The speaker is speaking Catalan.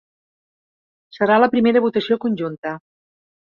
Serà la primera votació conjunta.